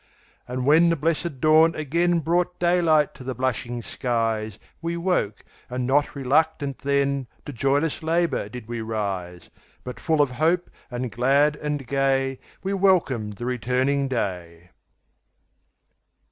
And when the blessed dawn again Brought daylight to the blushing skies, We woke, and not RELUCTANT then, To joyless LABOUR did we rise; But full of hope, and glad and gay, We welcomed the returning day.